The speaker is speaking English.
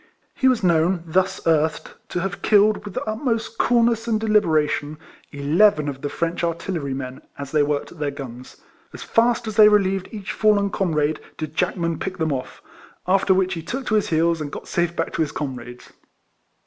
He was known, thus earthed, to have killed, with the utmost coolness and deliberation, eleven of the French artillerymen, as they worked at their guns. As fast as they relieved each fallen comrade did Jack man pick them off; after which he took to his heels, and got safe back to his com rades.